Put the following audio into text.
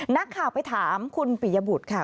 นักข่าวไปถามคุณปิยบุตรค่ะ